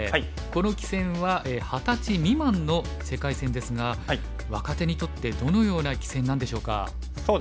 この棋戦は二十歳未満の世界戦ですが若手にとってどのような棋戦なんでしょうか？